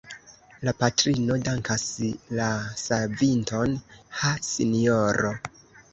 La patrino dankas la savinton: Ha, sinjoro!